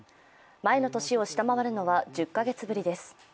前の年を下回るのは１０カ月ぶりです。